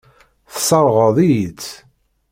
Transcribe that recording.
Tesseṛɣeḍ-iyi-tt.